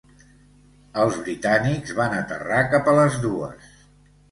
Els britànics van aterrar cap a les dues.